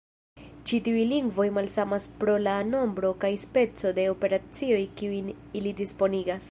Ĉi tiuj lingvoj malsamas pro la nombro kaj speco de operacioj kiujn ili disponigas.